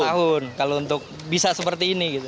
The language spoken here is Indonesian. setahun kalau untuk bisa seperti ini